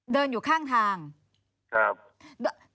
เดินอยู่ข้างทางครับ